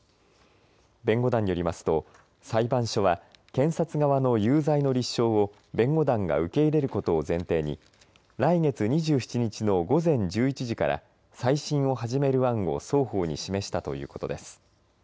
弁護団によりますと裁判所は検察側の有罪の立証を弁護団が受け入れることを前提に来月２７日の午前１１時から再審を始める案を双方に示したということです。